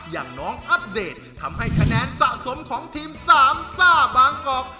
อย่างน้องอัปเดตทำให้คะแนนสะสมของทีมสามซ่าบางกอก